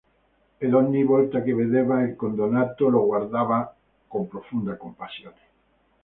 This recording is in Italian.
Ed ogni volta che vedeva il condannato lo guardava con profonda compassione.